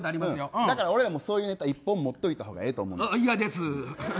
だから俺らもそういうネタ１本持っておいたほうがいやです！